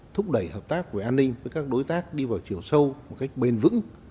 thúc đẩy hợp tác về an ninh với các đối tác đi vào chiều sâu một cách bền vững